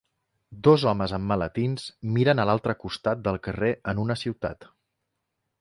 Dos homes amb maletins miren a l'altre costat del carrer en una ciutat.